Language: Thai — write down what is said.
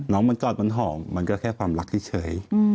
น้องมันกอดมันหอมมันก็แค่ความรักที่เฉย